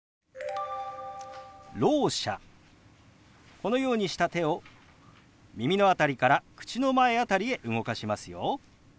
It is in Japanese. このようにした手を耳の辺りから口の前辺りへ動かしますよ。